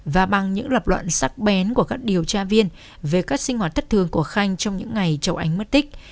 và bằng những lập luận sắc bén của các điều tra viên về các sinh hoạt thất thường của khanh trong những ngày chậu ánh mất tích